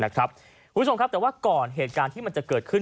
คุณผู้ชมครับแต่ว่าก่อนเหตุการณ์ที่มันจะเกิดขึ้น